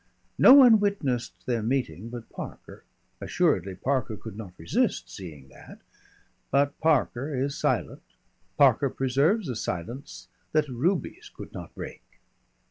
No one witnessed their meeting but Parker assuredly Parker could not resist seeing that, but Parker is silent Parker preserves a silence that rubies could not break.